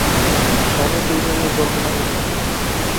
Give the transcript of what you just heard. স্বভাবতই এ নিয়ে জল্পনা কল্পনা শুরু হয়েছে।